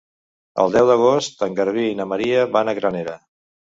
El deu d'agost en Garbí i na Maria van a Granera.